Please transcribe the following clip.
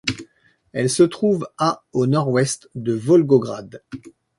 Elle se trouve à au nord-ouest de Volgograd.